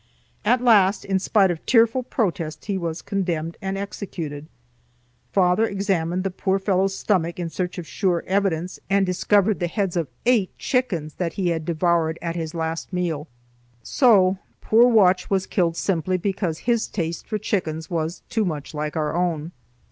At last, in spite of tearful protests, he was condemned and executed. Father examined the poor fellow's stomach in search of sure evidence, and discovered the heads of eight chickens that he had devoured at his last meal. So poor Watch was killed simply because his taste for chickens was too much like our own.